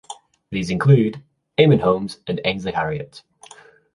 These included Eamonn Holmes and Ainsley Harriott.